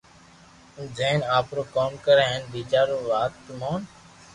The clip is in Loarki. جائين آپرو ڪوم ڪر ھين ٻيجا رو وات مون